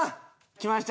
きました。